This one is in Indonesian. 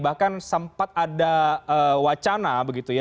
bahkan sempat ada wacana begitu ya